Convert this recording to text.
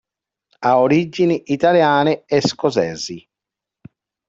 Ha origini italiane e scozzesi.